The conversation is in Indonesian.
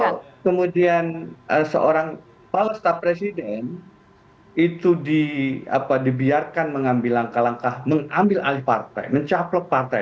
kalau kemudian seorang pk pala staf presiden itu dibiarkan mengambil alih partai mencaplok partai